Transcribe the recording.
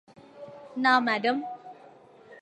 না, ম্যাডাম।